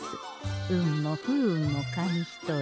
運も不運も紙一重。